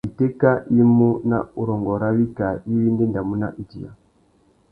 Itéka i mú nà urrôngô râ wikā iwí i ndédamú nà idiya.